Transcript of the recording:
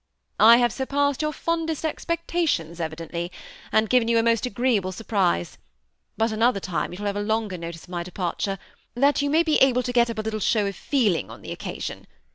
" I have surpassed your fondest expectations evident ly, and given you a most agreeable surprise ; but another time you shall have a longer notice of my departure, that you may be able to get up a little show of feeling on the occasion.